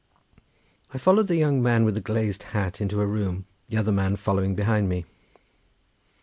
I followed the young man with the glazed hat into a room, the other man following behind me.